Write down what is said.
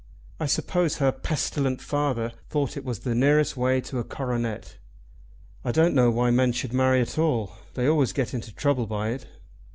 I suppose her pestilent father thought it was the nearest way to a coronet. I don't know why men should marry at all. They always get into trouble by it."